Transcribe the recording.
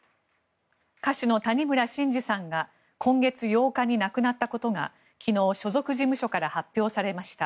歌手の谷村新司さんが今月８日に亡くなったことが昨日、所属事務所から発表されました。